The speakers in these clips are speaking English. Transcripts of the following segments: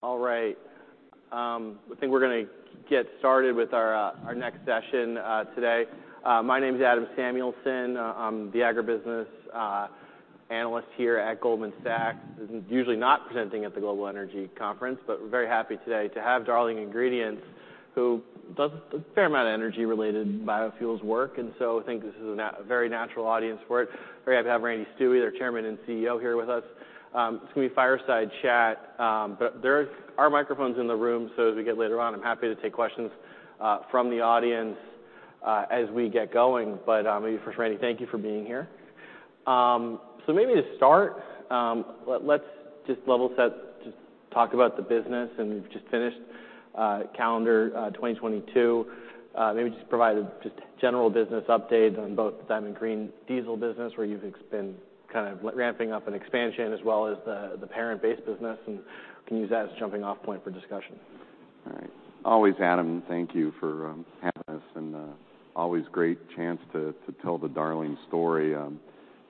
All right. I think we're gonna get started with our next session today. My name is Adam Samuelson. I'm the agribusiness analyst here at Goldman Sachs. This is usually not presenting at the Global Energy Conference, but we're very happy today to have Darling Ingredients, who does a fair amount of energy-related biofuels work. I think this is a very natural audience for it. Very happy to have Randy Stuewe, their chairman and CEO here with us. It's gonna be a fireside chat. There are microphones in the room, so as we get later on, I'm happy to take questions from the audience as we get going. First, Randy, thank you for being here. Maybe to start, let's just level set, just talk about the business, and we've just finished calendar 2022. Maybe just provide a general business update on both the Diamond Green Diesel business, where you've been ramping up an expansion, as well as the parent base business, and we can use that as a jumping off point for discussion. All right. Always, Adam, thank you for having us, and always great chance to tell the Darling story.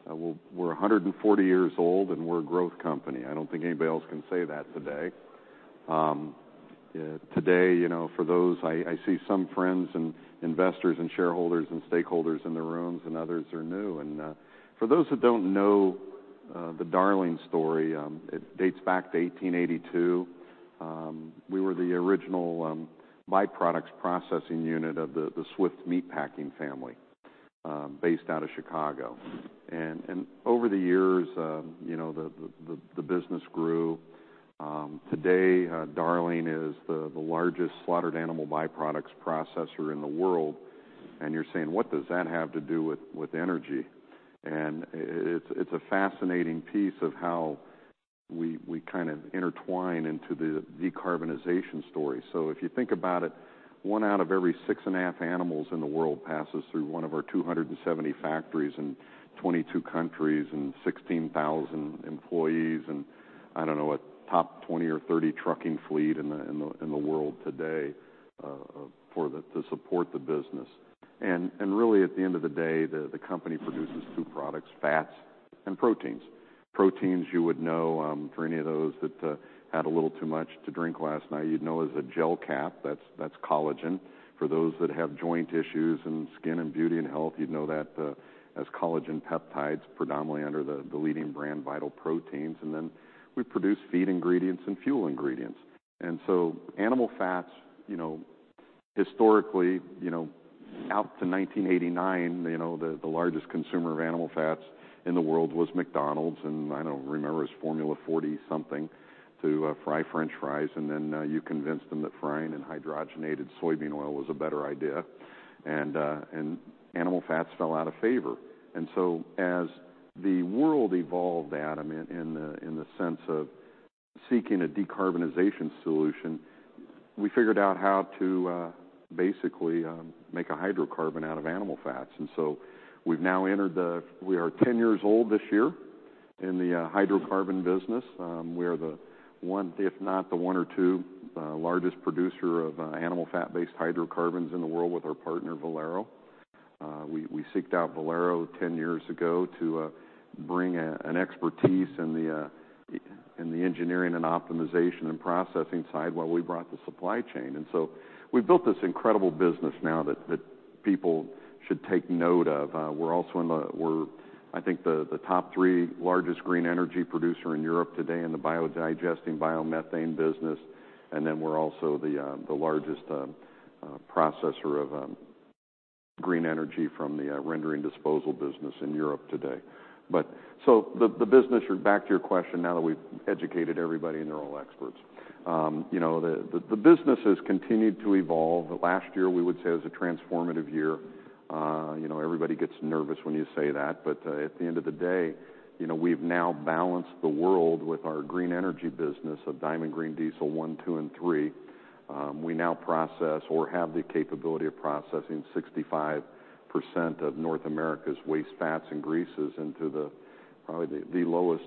We're 140 years old, and we're a growth company. I don't think anybody else can say that today. Today, you know, for those, I see some friends, and investors, and shareholders, and stakeholders in the rooms, and others are new. For those who don't know the Darling story, it dates back to 1882. We were the original byproducts processing unit of the Swift meatpacking family, based out of Chicago. Over the years, you know, the business grew. Today, Darling is the largest slaughtered animal byproducts processor in the world. You're saying: What does that have to do with energy? It's a fascinating piece of how we kind of intertwine into the decarbonization story. If you think about it, one out of every 6.5 animals in the world passes through one of our 270 factories in 22 countries and 16,000 employees, I don't know, a top 20 or 30 trucking fleet in the world today to support the business. Really, at the end of the day, the company produces two products: fats and proteins. Proteins you would know for any of those that had a little too much to drink last night, you'd know as a gel cap. That's collagen. For those that have joint issues in skin, and beauty, and health, you'd know that as collagen peptides, predominantly under the leading brand Vital Proteins. We produce feed ingredients and fuel ingredients. Animal fats, you know, historically, you know, out to 1989, you know, the largest consumer of animal fats in the world was McDonald's. I don't remember, it was Formula 40 something to fry french fries, then you convinced them that frying in hydrogenated soybean oil was a better idea. Animal fats fell out of favor. As the world evolved, Adam, in the sense of seeking a decarbonization solution, we figured out how to basically make a hydrocarbon out of animal fats. We've now entered the... We are 10 years old this year in the hydrocarbon business. We are the one, if not the one or two, largest producer of animal fat-based hydrocarbons in the world with our partner, Valero. We seek out Valero 10 years ago to bring an expertise in the engineering, and optimization, and processing side, while we brought the supply chain. We've built this incredible business now that people should take note of. We're also I think the top three largest green energy producer in Europe today in the biodigesting biomethane business. We're also the largest processor of green energy from the rendering disposal business in Europe today. The business, or back to your question now that we've educated everybody and they're all experts. You know, the business has continued to evolve. Last year, we would say was a transformative year. You know, everybody gets nervous when you say that. At the end of the day, you know, we've now balanced the world with our green energy business of Diamond Green Diesel 1, 2, and 3. We now process or have the capability of processing 65% of North America's waste fats and greases into the, probably the lowest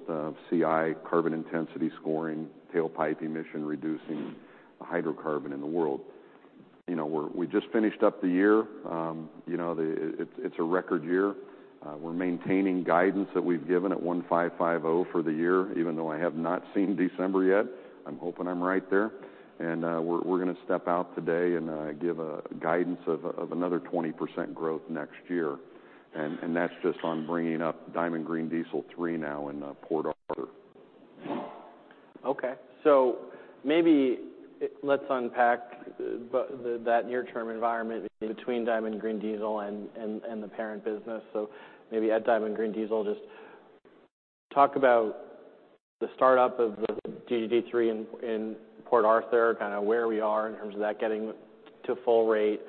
CI, carbon intensity scoring, tailpipe emission reducing hydrocarbon in the world. You know, we just finished up the year. You know, It's a record year. We're maintaining guidance that we've given at 1,550 for the year, even though I have not seen December yet. I'm hoping I'm right there. We're gonna step out today and give a guidance of another 20% growth next year. That's just on bringing up Diamond Green Diesel 3 now in Port Arthur. Let's unpack that near-term environment between Diamond Green Diesel and the parent business. Maybe at Diamond Green Diesel, just talk about the startup of the DGD 3 in Port Arthur, kinda where we are in terms of that getting to full rate,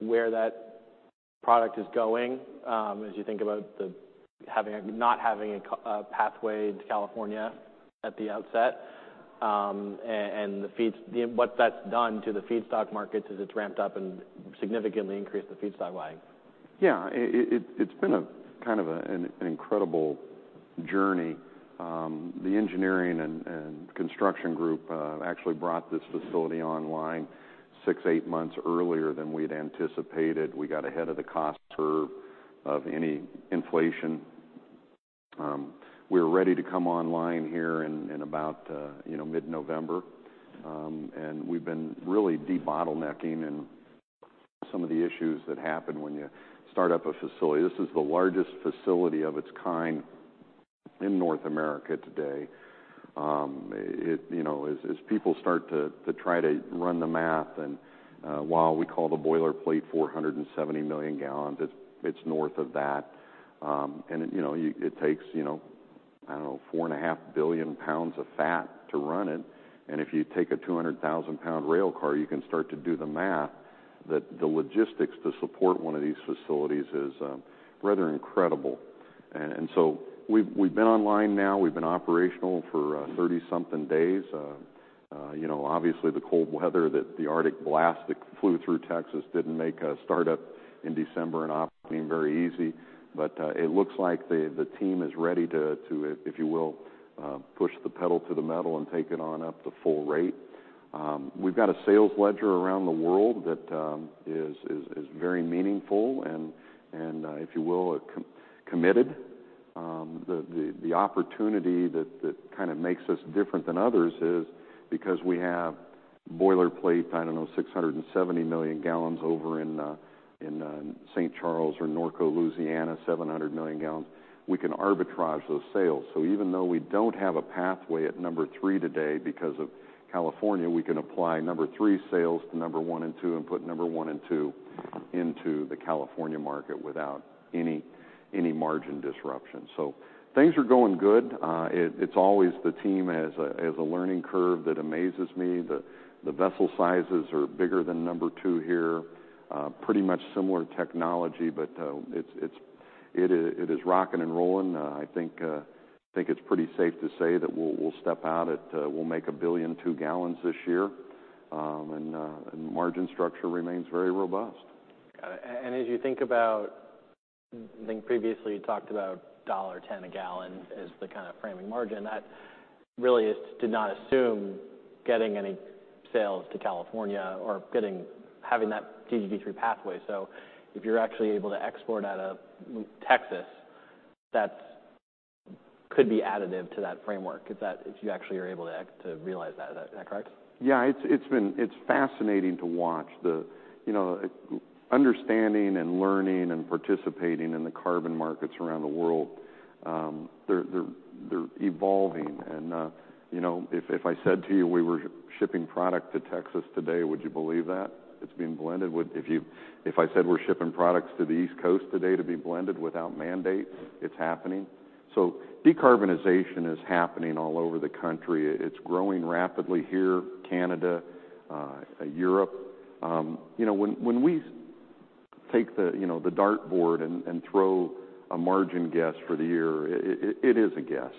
where that product is going, as you think about not having a pathway to California at the outset, and the feeds, what that's done to the feedstock markets as it's ramped up and significantly increased the feedstock lag. Yeah. It's been a kind of an incredible journey. The engineering and construction group actually brought this facility online six, eight months earlier than we had anticipated. We got ahead of the cost curve of any inflation. We're ready to come online here in about, you know, mid-November. We've been really debottlenecking in some of the issues that happen when you start up a facility. This is the largest facility of its kind in North America today. You know, as people start to try to run the math, and while we call the boilerplate 470 million gallons, it's north of that. It, you know, it takes, you know, I don't know, 4.5 billion pounds of fat to run it. If you take a 200,000 pound rail car, you can start to do the math that the logistics to support one of these facilities is rather incredible. So we've been online now. We've been operational for 30-something days. You know, obviously, the cold weather that the Arctic blast that flew through Texas didn't make a startup in December and operating very easy. It looks like the team is ready to, if you will, push the pedal to the metal and take it on up to full rate. We've got a sales ledger around the world that is very meaningful and, if you will, committed. The opportunity that kind of makes us different than others is because we have boilerplate, I don't know, 670 million gallons over in St. Charles or Norco, Louisiana, 700 million gallons. We can arbitrage those sales. Even though we don't have a pathway at number 3 today because of California, we can apply number 3 sales to number 1 and 2 and put number 1 and 2 into the California market without any margin disruption. Things are going good. It's always the team has a learning curve that amazes me. The vessel sizes are bigger than number 2 here. Pretty much similar technology, but it is rocking and rolling. I think it's pretty safe to say that we'll step out at, we'll make 1.2 billion gallons this year. Margin structure remains very robust. Got it. As you think about, I think previously you talked about $1.10 a gallon as the kind of framing margin. That really is to not assume getting any sales to California or getting having that DGD 3 pathway. If you're actually able to export out of Texas, that's could be additive to that framework if that if you actually are able to act to realize that. Is that correct? Yeah. It's fascinating to watch. The, you know, understanding and learning and participating in the carbon markets around the world, they're evolving. You know, if I said to you we were shipping product to Texas today, would you believe that? It's being blended with... If I said we're shipping products to the East Coast today to be blended without mandate, it's happening. Decarbonization is happening all over the country. It's growing rapidly here, Canada, Europe. You know, when we take the, you know, the dartboard and throw a margin guess for the year, it is a guess.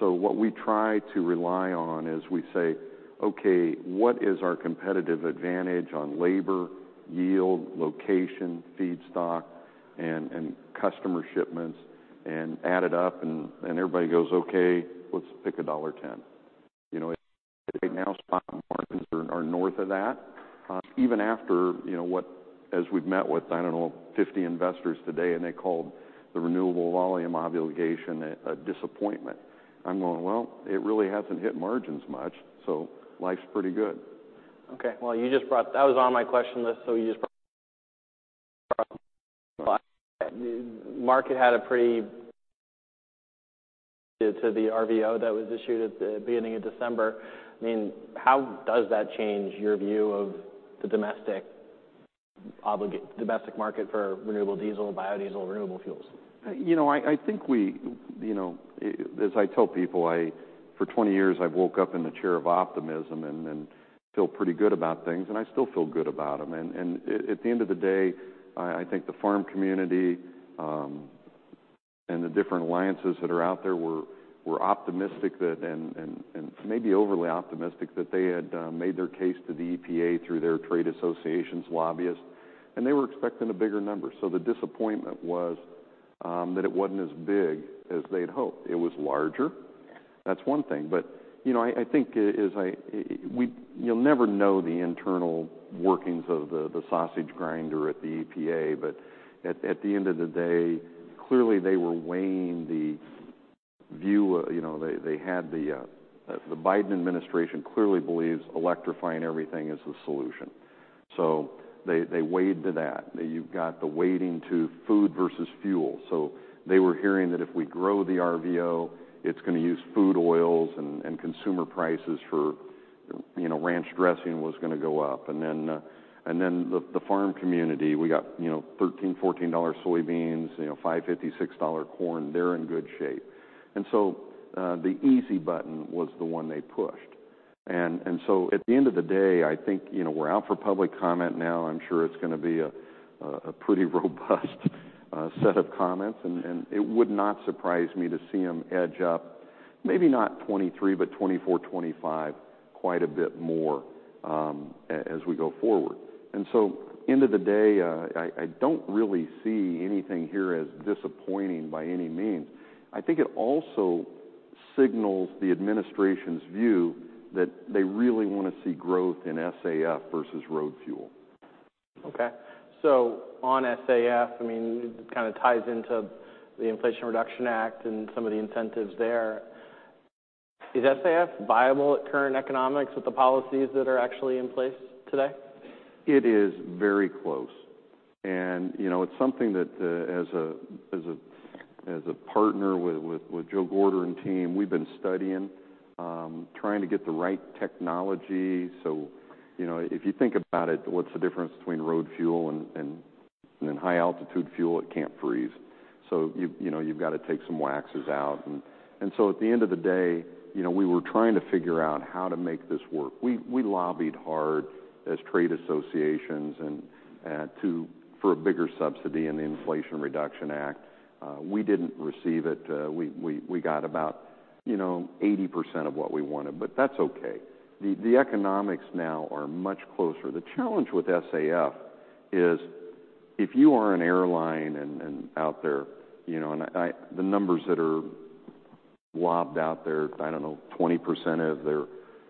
What we try to rely on is we say, "Okay, what is our competitive advantage on labor, yield, location, feedstock, and customer shipments?" Add it up, and everybody goes, "Okay, let's pick $1.10." You know, right now spot margins are north of that, even after, you know, as we've met with, I don't know, 50 investors today, and they called the Renewable Volume Obligation a disappointment. I'm going, "Well, it really hasn't hit margins much, so life's pretty good. Okay. That was on my question list, so you just brought market had a pretty to the RVO that was issued at the beginning of December. I mean, how does that change your view of the domestic market for renewable diesel, biodiesel, renewable fuels? You know, I think we, as I tell people, for 20 years, I've woke up in the chair of optimism and feel pretty good about things, and I still feel good about them. At the end of the day, I think the farm community and the different alliances that are out there were optimistic that maybe overly optimistic that they had made their case to the EPA through their trade associations lobbyists. They were expecting a bigger number. The disappointment was that it wasn't as big as they'd hoped. It was larger. That's one thing. You know, I think as you'll never know the internal workings of the sausage grinder at the EPA. At the end of the day, clearly they were weighing the view, you know. They had the, the Biden administration clearly believes electrifying everything is the solution. They weighed to that. You've got the weighting to food versus fuel. They were hearing that if we grow the RVO, it's gonna use food oils, and consumer prices for, you know, ranch dressing was gonna go up. Then the farm community, we got, you know, $13, $14 soybeans, you know, $5.50, $6 corn. They're in good shape. The easy button was the one they pushed. At the end of the day, I think, you know, we're out for public comment now. I'm sure it's gonna be a pretty robust set of comments. It would not surprise me to see them edge up maybe not 2023, but 2024, 2025, quite a bit more as we go forward. End of the day, I don't really see anything here as disappointing by any means. I think it also signals the administration's view that they really wanna see growth in SAF versus road fuel. On SAF, I mean, it kind of ties into the Inflation Reduction Act and some of the incentives there. Is SAF viable at current economics with the policies that are actually in place today? It is very close. You know, it's something that as a partner with Joe Gorder and team, we've been studying, trying to get the right technology. You know, if you think about it, what's the difference between road fuel and then high altitude fuel? It can't freeze. You know, you've got to take some waxes out. So at the end of the day, you know, we were trying to figure out how to make this work. We lobbied hard as trade associations and for a bigger subsidy in the Inflation Reduction Act. We didn't receive it. We got about, you know, 80% of what we wanted, but that's okay. The economics now are much closer. The challenge with SAF is if you are an airline and, out there, you know, the numbers that are lobbed out there, I don't know, 20% of their,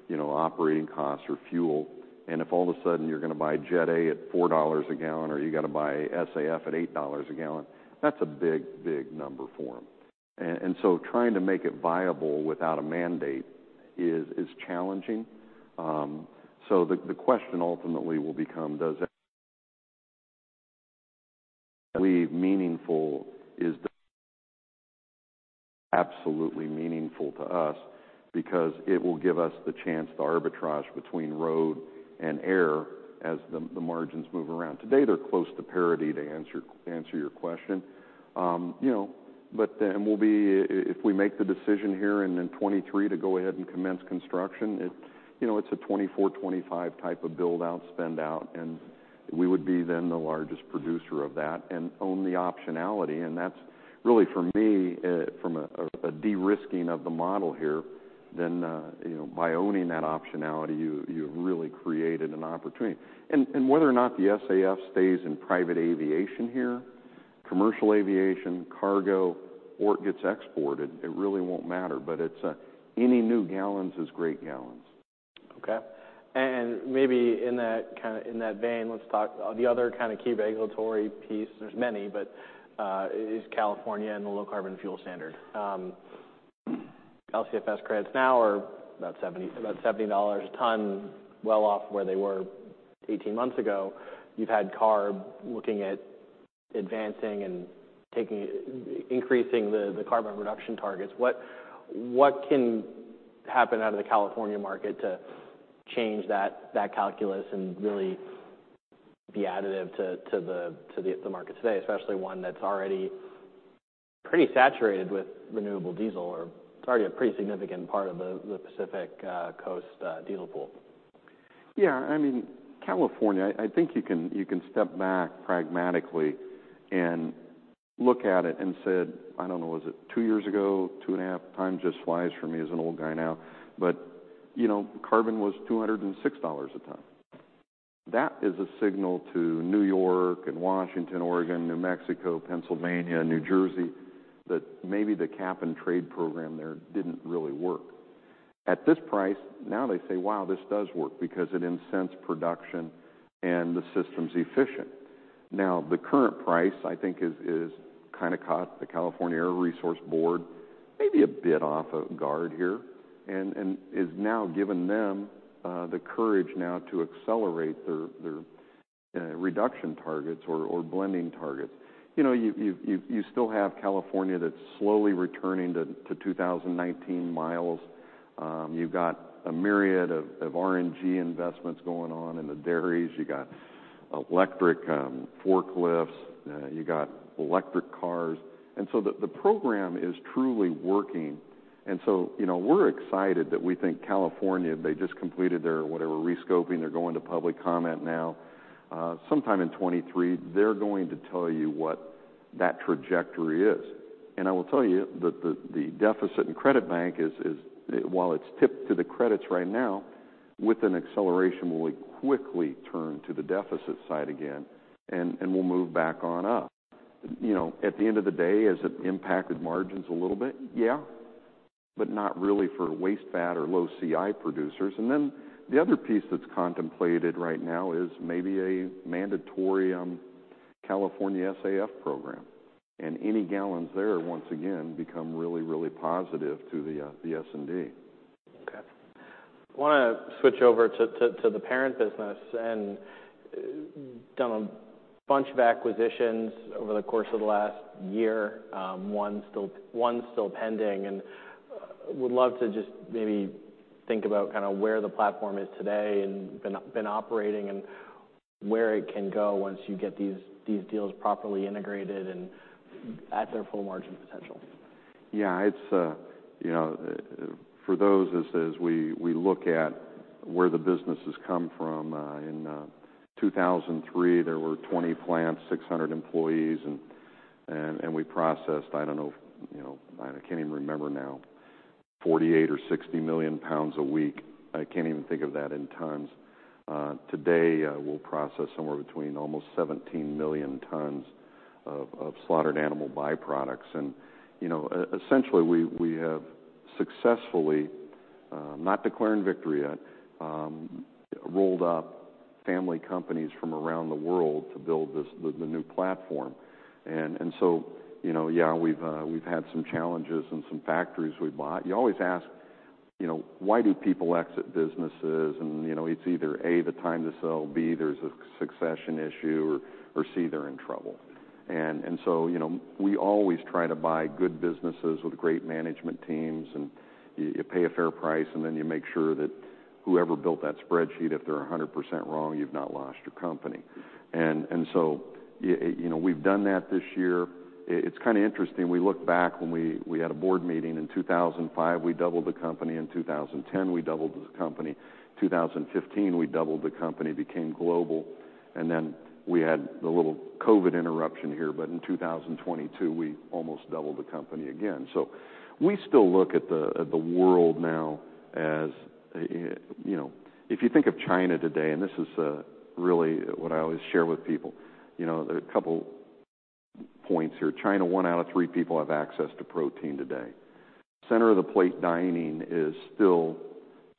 you know, operating costs or fuel. If all of a sudden you're gonna buy Jet A at $4 a gallon or you got to buy SAF at $8 a gallon, that's a big, big number for them. Trying to make it viable without a mandate is challenging. The question ultimately will become, does it leave meaningful is absolutely meaningful to us because it will give us the chance to arbitrage between road and air as the margins move around. Today, they're close to parity to answer your question. You know, if we make the decision here in 2023 to go ahead and commence construction, it, you know, it's a 2024, 2025 type of build-out, spend out, we would be then the largest producer of that and own the optionality. That's really for me, from a de-risking of the model here than, you know, by owning that optionality, you really created an opportunity. Whether or not the SAF stays in private aviation here, commercial aviation, cargo, or it gets exported, it really won't matter. It's any new gallons is great gallons. Okay. Maybe in that vein, let's talk the other kind of key regulatory piece. There's many but, is California and the Low Carbon Fuel Standard. LCFS credits now are about $70 a ton, well off where they were 18 months ago. You've had CARB looking at advancing and increasing the carbon reduction targets. What can happen out of the California market to change that calculus and really be additive to the, to the market today, especially one that's already pretty saturated with renewable diesel or it's already a pretty significant part of the Pacific coast diesel pool? I mean, California, I think you can step back pragmatically and look at it and said, I don't know, was it two years ago, two and a half? Time just flies for me as an old guy now. carbon was $206 a ton. That is a signal to New York and Washington, Oregon, New Mexico, Pennsylvania, New Jersey, that maybe the cap-and-trade program there didn't really work. At this price, now they say, "Wow, this does work," because it incents production and the system's efficient. The current price, I think is kind of caught the California Air Resources Board maybe a bit off of guard here and is now giving them the courage now to accelerate their reduction targets or blending targets. You know, you still have California that's slowly returning to 2019 miles. You've got a myriad of RNG investments going on in the dairies. You got electric forklifts. You got electric cars. The program is truly working. You know, we're excited that we think California, they just completed their, whatever, rescoping. They're going to public comment now. Sometime in 2023, they're going to tell you what that trajectory is. I will tell you that the deficit in credit bank is while it's tipped to the credits right now, with an acceleration will quickly turn to the deficit side again, and will move back on up. You know, at the end of the day, has it impacted margins a little bit? Yeah. Not really for waste fat or low CI producers. The other piece that's contemplated right now is maybe a mandatory California SAF program. Any gallons there, once again, become really, really positive to the S&D. Okay. Wanna switch over to the parent business. Done a bunch of acquisitions over the course of the last year, one still pending. Would love to just maybe think about kind of where the platform is today and been operating, and where it can go once you get these deals properly integrated and at their full margin potential. Yeah. It's, you know, for those, as we look at where the business has come from. In 2003, there were 20 plants, 600 employees, and we processed, I don't know, you know, I can't even remember now, 48 or 60 million pounds a week. I can't even think of that in tons. Today, we'll process somewhere between almost 17 million tons of slaughtered animal byproducts. You know, essentially, we have successfully, not declaring victory yet, rolled up family companies from around the world to build this, the new platform. You know, yeah, we've had some challenges in some factories we bought. You always ask, you know, why do people exit businesses? You know, it's either, A, the time to sell, B, there's a succession issue, or C, they're in trouble. you know, we always try to buy good businesses with great management teams, and you pay a fair price, and then you make sure that whoever built that spreadsheet, if they're 100% wrong, you've not lost your company. you know, we've done that this year. It's kind of interesting. We look back when we had a board meeting in 2005, we doubled the company. In 2010, we doubled the company. 2015, we doubled the company, became global. we had the little COVID interruption here, but in 2022, we almost doubled the company again. We still look at the world now as, you know. If you think of China today, and this is really what I always share with people. You know, there are a couple points here. China, one out of three people have access to protein today. Center of the plate dining is still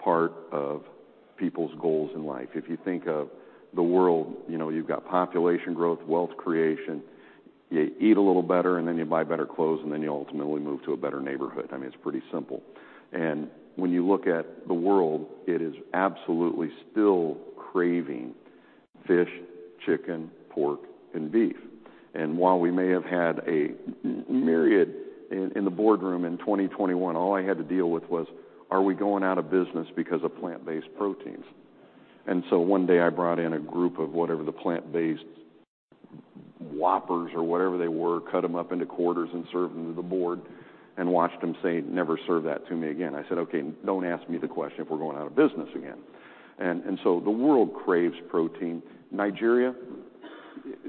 part of people's goals in life. If you think of the world, you know, you've got population growth, wealth creation. You eat a little better, and then you buy better clothes, and then you ultimately move to a better neighborhood. I mean, it's pretty simple. When you look at the world, it is absolutely still craving fish, chicken, pork, and beef. While we may have had a myriad In the boardroom in 2021, all I had to deal with was, "Are we going out of business because of plant-based proteins?" One day I brought in a group of whatever the Plant-based Whoppers or whatever they were, cut them up into quarters and served them to the board and watched them say, "Never serve that to me again." I said, "Okay, don't ask me the question if we're going out of business again." The world craves protein. Nigeria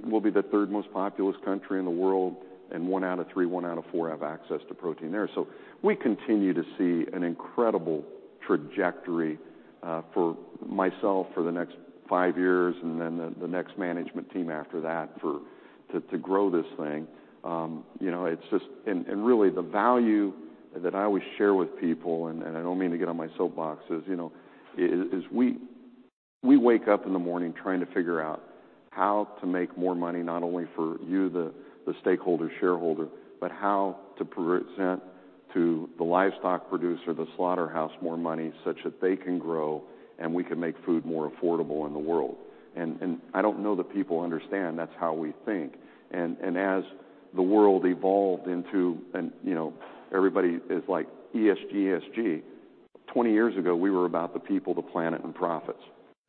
will be the third most populous country in the world, and one out of three, one out of four have access to protein there. We continue to see an incredible trajectory for myself for the next five years, and then the next management team after that to grow this thing. You know, really the value that I always share with people, and I don't mean to get on my soapbox, is, you know, we wake up in the morning trying to figure out how to make more money, not only for you, the stakeholder, shareholder, but how to present to the livestock producer, the slaughterhouse, more money such that they can grow, and we can make food more affordable in the world. I don't know that people understand that's how we think. As the world evolved into, and, you know, everybody is like ESG. 20 years ago, we were about the people, the planet, and profits.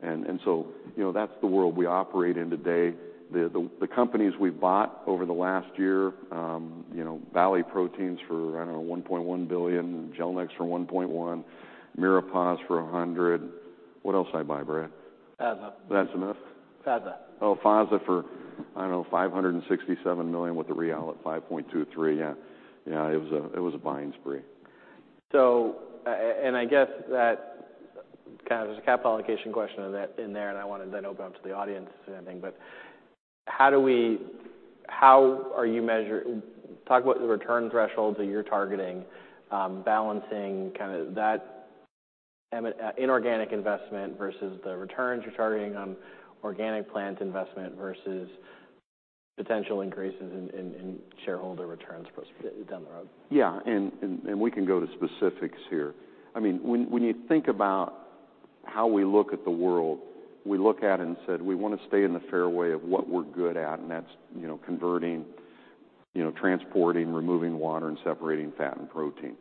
You know, that's the world we operate in today. The companies we bought over the last year, you know, Valley Proteins for, I don't know, $1.1 billion, Gelnex for $1.1 billion, Miropasz for $100 million. What else did I buy, Brad? FASA. That's enough? FASA. Oh, FASA for, I don't know, $567 million with the Brazilian Real at 5.23. Yeah. Yeah, it was a buying spree. And I guess that kind of is a capital allocation question in that, in there, and I want to then open up to the audience if anything. Talk about the return thresholds that you're targeting, balancing kind of that inorganic investment versus the returns you're targeting on organic plant investment versus potential increases in shareholder returns down the road. Yeah. We can go to specifics here. I mean, when you think about how we look at the world, we look at it and said, "We wanna stay in the fairway of what we're good at," and that's, you know, converting, you know, transporting, removing water, and separating fat and protein.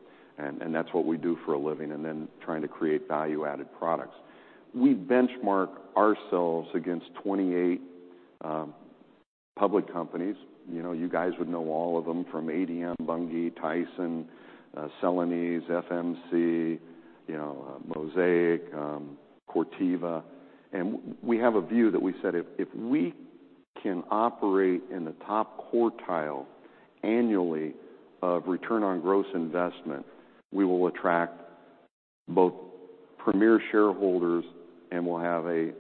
That's what we do for a living, and then trying to create value-added products. We benchmark ourselves against 28 public companies. You know, you guys would know all of them from ADM, Bunge, Tyson, Celanese, FMC, you know, Mosaic, Corteva. We have a view that we said, "If we can operate in the top quartile annually of return on gross investment, we will attract both premier shareholders and will have a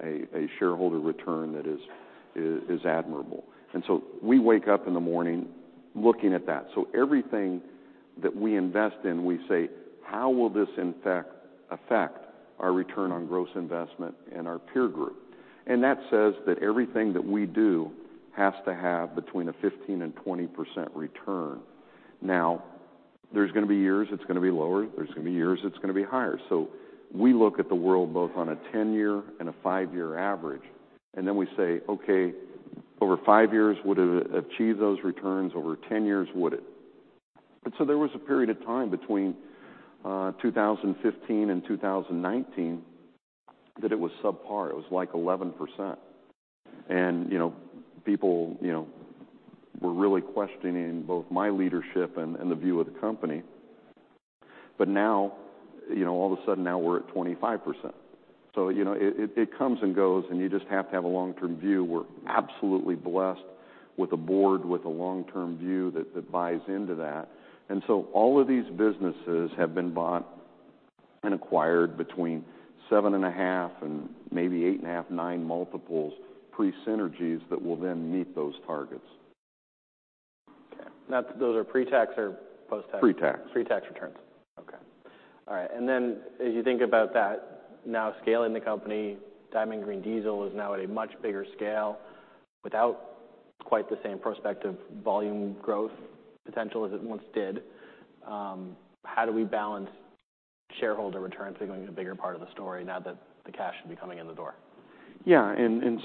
shareholder return that is admirable." We wake up in the morning looking at that. Everything that we invest in, we say, "How will this, in fact, affect our return on gross investment in our peer group?" That says that everything that we do has to have between a 15% and 20% return. Now, there's gonna be years it's gonna be lower, there's gonna be years it's gonna be higher. We look at the world both on a 10-year and a 5-year average, we say, "Okay, over five years, would it achieve those returns? Over 10 years, would it?" There was a period of time between 2015 and 2019 that it was subpar. It was, like, 11%. You know, people, you know, were really questioning both my leadership and the view of the company. Now, you know, all of a sudden now we're at 25%. You know, it comes and goes, and you just have to have a long-term view. We're absolutely blessed with a board with a long-term view that buys into that. All of these businesses have been bought and acquired between 7.5x and maybe 8.5x, 9x multiples pre-synergies that will then meet those targets. Those are pre-tax or post-tax? Pre-tax. Pre-tax returns. Okay. All right. As you think about that, now scaling the company, Diamond Green Diesel is now at a much bigger scale without quite the same prospective volume growth potential as it once did. How do we balance shareholder returns becoming a bigger part of the story now that the cash should be coming in the door? Yeah.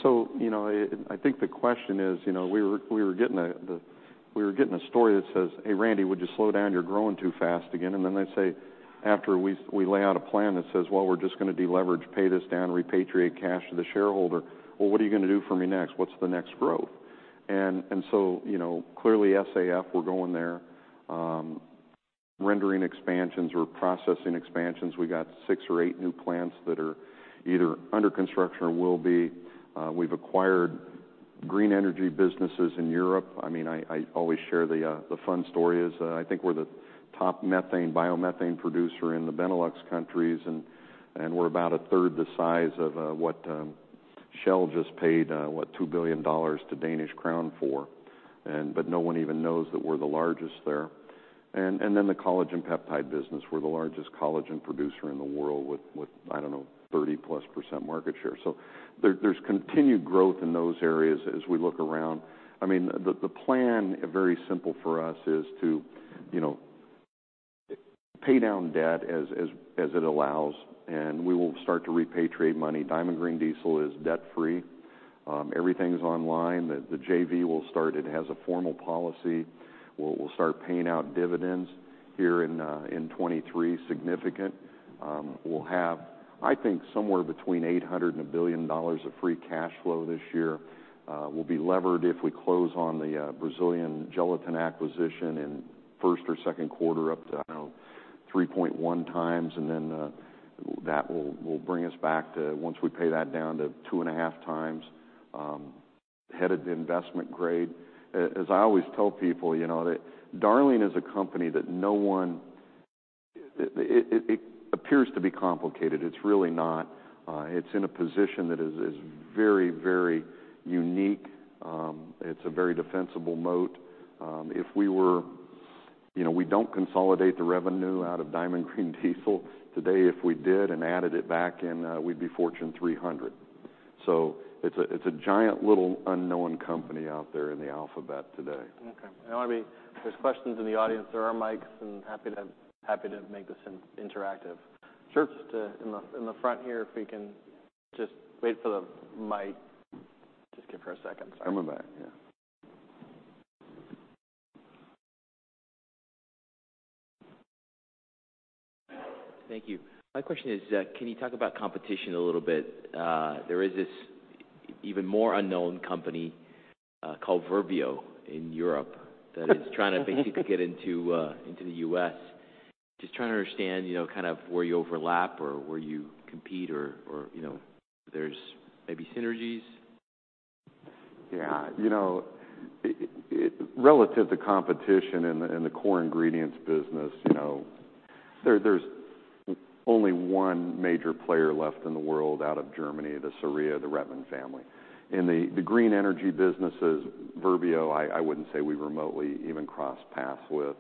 So, you know, I think the question is, you know, we were getting a story that says, "Hey, Randy, would you slow down? You're growing too fast again." Then they say, after we lay out a plan that says, "Well, we're just gonna deleverage, pay this down, repatriate cash to the shareholder." "Well, what are you gonna do for me next? What's the next growth?" So, you know, clearly SAF, we're going there. Rendering expansions or processing expansions, we've got six or eight new plants that are either under construction or will be. We've acquired green energy businesses in Europe. I mean, I always share the fun story is, I think we're the top methane, biomethane producer in the Benelux countries, and we're about a third the size of what Shell just paid, what? $2 billion to Danish Crown for. No one even knows that we're the largest there. Then the collagen peptide business. We're the largest collagen producer in the world with, I don't know, 30%+ market share. There's continued growth in those areas as we look around. I mean, the plan, very simple for us, is to, you know, pay down debt as it allows, we will start to repatriate money. Diamond Green Diesel is debt-free. Everything's online. The JV will start. It has a formal policy. We'll start paying out dividends here in 2023. Significant. We'll have, I think, somewhere between $800 million and $1 billion of free cash flow this year. We'll be levered if we close on the Brazilian gelatin acquisition in first or second quarter up to 3.1x. That will bring us back to, once we pay that down, to 2.5x, headed to investment grade. As I always tell people, you know, that Darling is a company that no one. It appears to be complicated. It's really not. It's in a position that is very, very unique. It's a very defensible moat. If we were. You know, we don't consolidate the revenue out of Diamond Green Diesel today. If we did and added it back in, we'd be Fortune 300. It's a, it's a giant, little unknown company out there in the alphabet today. Okay. I mean, if there's questions in the audience, there are mics, happy to make this an interactive- Sure. Just in the front here, if we can just wait for the mic. Just give her a second. Sorry. Coming back. Yeah. Thank you. My question is, can you talk about competition a little bit? There is this even more unknown company, called Verbio in Europe, that is trying to basically get into the U.S. Just trying to understand, you know, kind of where you overlap or where you compete or, you know, there's maybe synergies. Relative to competition in the core ingredients business, you know, there's only one major player left in the world out of Germany, SARIA, the Rethmann family. In the green energy businesses, Verbio, I wouldn't say we remotely even cross paths with.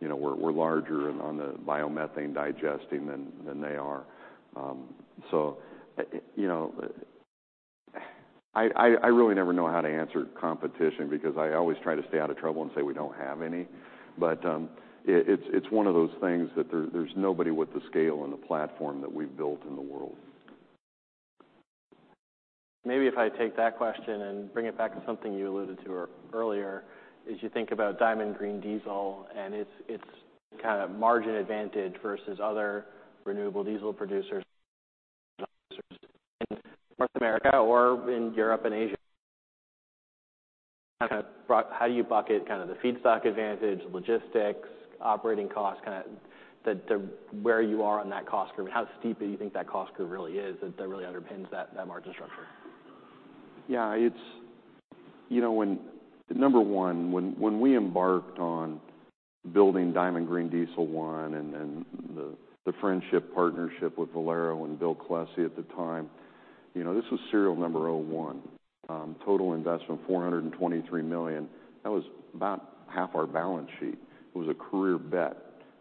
You know, we're larger on the biomethane digesting than they are. You know, I really never know how to answer competition because I always try to stay out of trouble and say we don't have any. It's one of those things that there's nobody with the scale and the platform that we've built in the world. Maybe if I take that question and bring it back to something you alluded to earlier, as you think about Diamond Green Diesel and its kinda margin advantage versus other renewable diesel producers in North America or in Europe and Asia. Kinda how you bucket the feedstock advantage, logistics, operating costs, kinda the where you are on that cost curve, and how steep you think that cost curve really is that really underpins that margin structure. Yeah. It's, you know, number one, when we embarked on building Diamond Green Diesel One and then the friendship partnership with Valero and Bill Klesse at the time, you know, this was serial number 01. Total investment, $423 million. That was about half our balance sheet. It was a career bet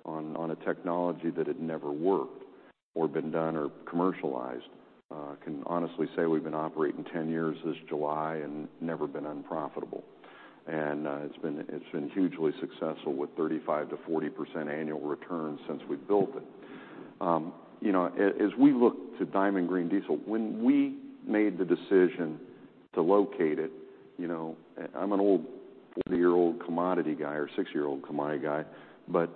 on a technology that had never worked or been done or commercialized. Can honestly say we've been operating 10 years this July and never been unprofitable. it's been hugely successful with 35%-40% annual returns since we built it. You know, as we look to Diamond Green Diesel, when we made the decision to locate it, you know, I'm an old 40-year-old commodity guy or 6-year-old commodity guy, but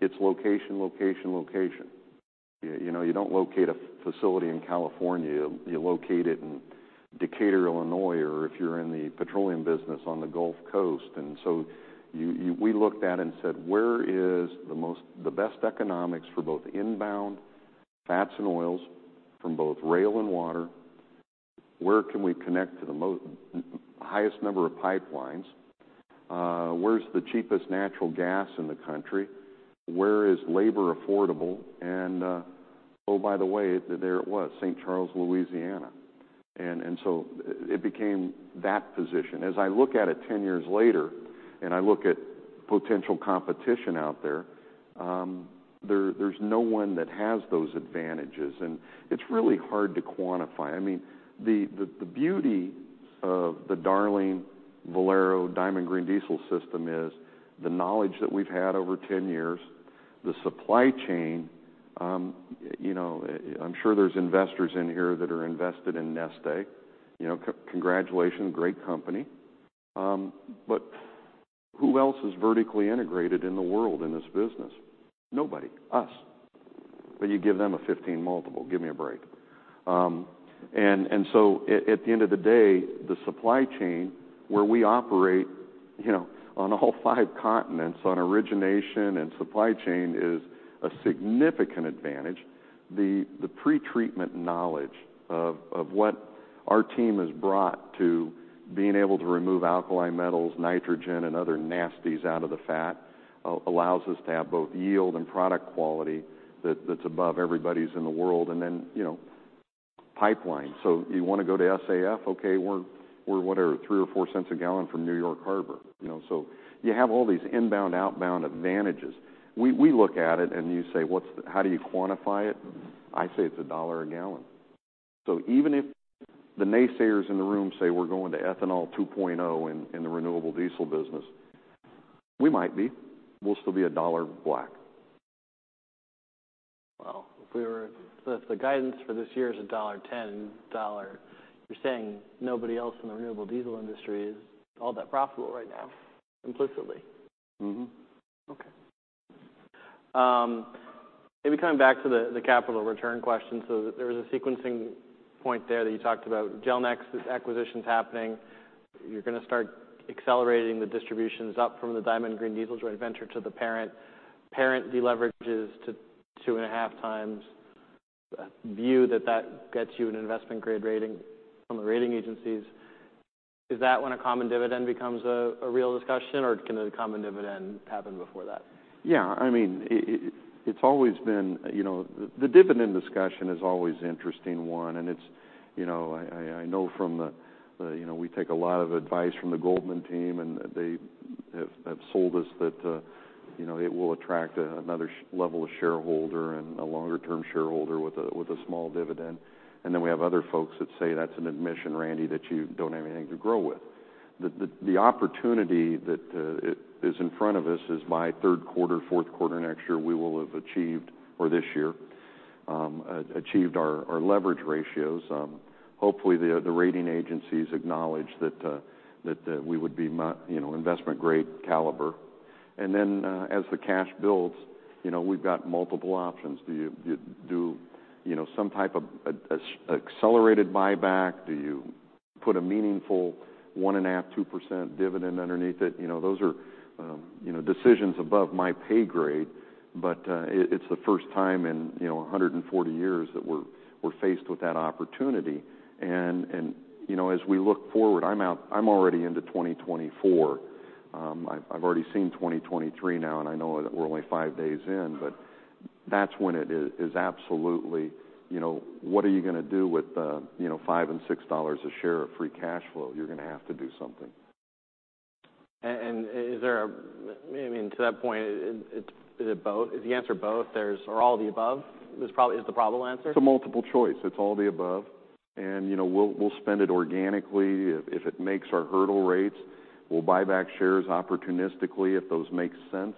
it's location, location. You know, you don't locate a facility in California. You locate it in Decatur, Illinois, or if you're in the petroleum business, on the Gulf Coast. We looked at and said, "Where is the best economics for both inbound fats and oils from both rail and water? Where can we connect to the highest number of pipelines? Where's the cheapest natural gas in the country? Where is labor affordable?" Oh, by the way, there it was, St. Charles, Louisiana. And it became that position. As I look at it 10 years later, and I look at potential competition out there's no one that has those advantages. It's really hard to quantify. I mean, the beauty of the Darling Valero Diamond Green Diesel system is the knowledge that we've had over 10 years, the supply chain. You know, I'm sure there's investors in here that are invested in Neste. You know, congratulations, great company. Who else is vertically integrated in the world in this business? Nobody. Us. You give them a 15x multiple. Give me a break. At the end of the day, the supply chain where we operate, you know, on all five continents on origination and supply chain is a significant advantage. The pretreatment knowledge of what our team has brought to being able to remove alkali metals, nitrogen, and other nasties out of the fat, allows us to have both yield and product quality that's above everybody's in the world. Then, you know, pipeline. You wanna go to SAF? Okay, we're, what are $0.03 or $0.04 cents a gallon from New York Harbor, you know? You have all these inbound, outbound advantages. We look at it and you say, "What's the how do you quantify it?" I say it's $1 a gallon. Even if the naysayers in the room say we're going to ethanol 2.0 in the renewable diesel business, we might be. We'll still be $1 black. Well, if the guidance for this year is $1.10, you're saying nobody else in the renewable diesel industry is all that profitable right now, implicitly. Mm-hmm. Maybe coming back to the capital return question. There was a sequencing point there that you talked about. Gelnex, this acquisition's happening. You're gonna start accelerating the distributions up from the Diamond Green Diesel joint venture to the parent. Parent deleverages to 2.5x. View that that gets you an investment grade rating from the rating agencies. Is that when a common dividend becomes a real discussion, or can the common dividend happen before that? I mean, it's always been. You know, the dividend discussion is always an interesting one, and it's, you know. I know from you know, we take a lot of advice from the Goldman team, and they have sold us that, you know, it will attract another level of shareholder and a longer term shareholder with a small dividend. We have other folks that say, "That's an admission, Randy, that you don't have anything to grow with." The opportunity that is in front of us is by third quarter, fourth quarter next year, we will have achieved or this year, achieved our leverage ratios. Hopefully, the rating agencies acknowledge that we would be you know, investment grade caliber. As the cash builds, you know, we've got multiple options. Do you know, some type of accelerated buyback? Do you put a meaningful 1.5%, 2% dividend underneath it? You know, those are, you know, decisions above my pay grade. It's the first time in, you know, 140 years that we're faced with that opportunity. You know, as we look forward, I'm already into 2024. I've already seen 2023 now, and I know that we're only five days in, but that's when it is absolutely, you know. What are you gonna do with, you know, $5 and $6 a share of free cash flow? You're gonna have to do something. Is there maybe and to that point, is it both? Is the answer both? There's or all of the above is the probable answer. It's a multiple choice. It's all of the above. You know, we'll spend it organically if it makes our hurdle rates. We'll buy back shares opportunistically if those make sense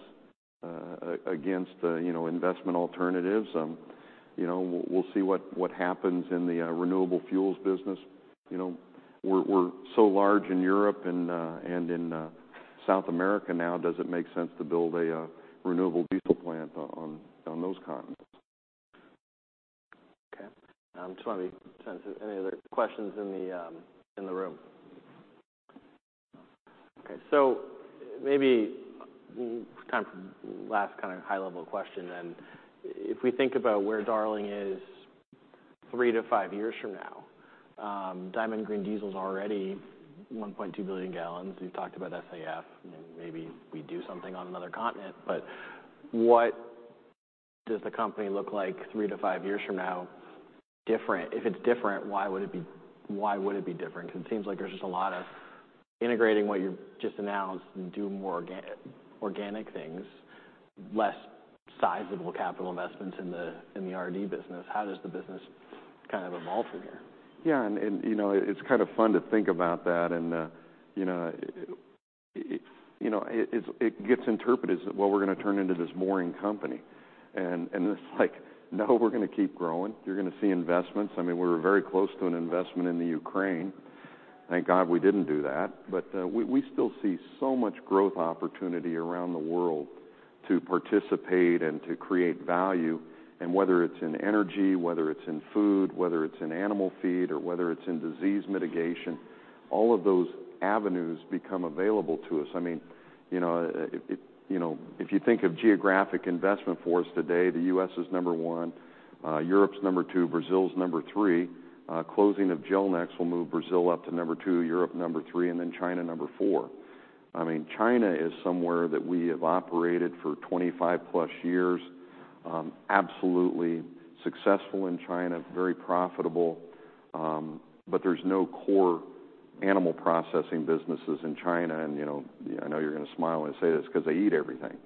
against, you know, investment alternatives. You know, we'll see what happens in the renewable fuels business. You know, we're so large in Europe and in South America now, does it make sense to build a renewable diesel plant on those continents? I just wanna be sensitive. Any other questions in the room? Maybe time for last kind of high level question then. If we think about where Darling is three to five years from now, Diamond Green Diesel is already 1.2 billion gallons. We've talked about SAF, and maybe we do something on another continent, what does the company look like three to five years from now different? If it's different, why would it be different? It seems like there's just a lot of integrating what you've just announced and do more organic things, less sizable capital investments in the RD business. How does the business kind of evolve from here? Yeah, you know, it's kind of fun to think about that. You know, it, you know, it gets interpreted as, "Well, we're gonna turn into this boring company." And it's like, "No, we're gonna keep growing." You're gonna see investments. I mean, we were very close to an investment in Ukraine. Thank God we didn't do that. We still see so much growth opportunity around the world to participate and to create value. Whether it's in energy, whether it's in food, whether it's in animal feed, or whether it's in disease mitigation, all of those avenues become available to us. I mean, you know, it, you know, if you think of geographic investment for us today, the U.S. is number one, Europe's number two, Brazil's number three. Closing of Gelnex will move Brazil up to number two, Europe number three, and then China number 4. I mean, China is somewhere that we have operated for 25+ years. Absolutely successful in China. Very profitable. There's no core animal processing businesses in China. You know, I know you're gonna smile when I say this, 'cause they eat everything.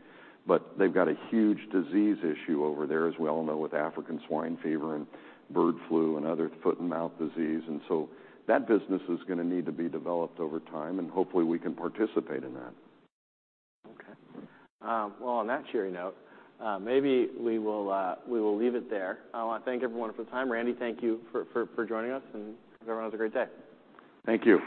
They've got a huge disease issue over there, as we all know, with African swine fever and bird flu and other foot-and-mouth disease. That business is gonna need to be developed over time, and hopefully, we can participate in that. Okay. Well, on that cheery note, maybe we will leave it there. I wanna thank everyone for their time. Randy, thank you for joining us, and everyone have a great day. Thank you.